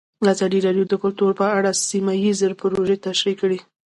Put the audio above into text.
ازادي راډیو د کلتور په اړه سیمه ییزې پروژې تشریح کړې.